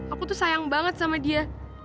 aku tuh sayang banget sama dia